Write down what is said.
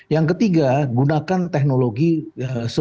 yang ketiga gunakan teknologi super